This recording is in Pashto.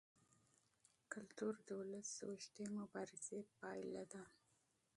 فرهنګ د ولس د اوږدې مبارزې پایله ده.